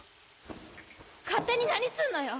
勝手に何するのよ？